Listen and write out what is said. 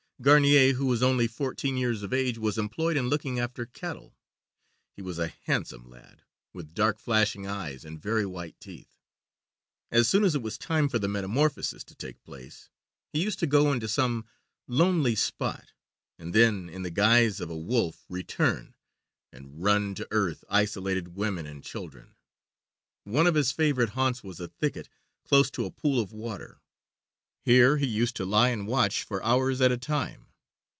Garnier, who was only fourteen years of age, was employed in looking after cattle. He was a handsome lad, with dark, flashing eyes and very white teeth. As soon as it was time for the metamorphosis to take place he used to go into some lonely spot, and then, in the guise of a wolf, return, and run to earth isolated women and children. One of his favourite haunts was a thicket close to a pool of water. Here he used to lie and watch for hours at a time.